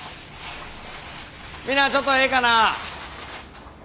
みんなちょっとええかな。